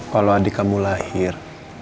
kalau adik kamu lahir